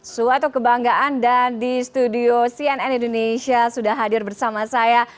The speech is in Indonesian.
suatu kebanggaan dan di studio cnn indonesia sudah hadir bersama saya